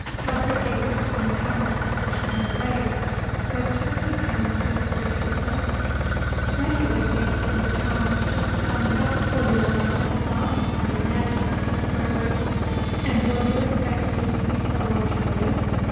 Tante gave me twenty pounds before she went away; would twenty pounds do for a trousseau?" "Betty would think twenty pounds just about enough for your gloves and stockings, I imagine," said Gregory. "And will you expect me to be so luxurious?